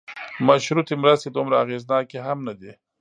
مشروطې مرستې دومره اغېزناکې هم نه دي.